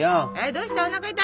どうした？